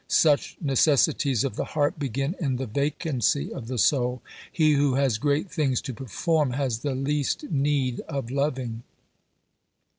Such necessities of the heart begin in the vacancy of the soul : he who has great things to perform has the least need of loving.